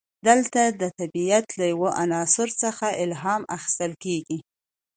دلته د طبیعت له یو عنصر څخه الهام اخیستل کیږي.